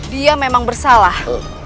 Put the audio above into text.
dia memang bersalah